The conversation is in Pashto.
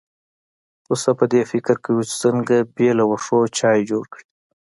پسه په دې فکر کې و چې څنګه بې له واښو چای جوړ کړي.